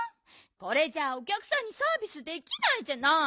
これじゃあおきゃくさんにサービスできないじゃない！